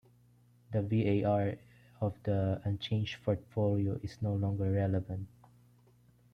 The VaR of the unchanged portfolio is no longer relevant.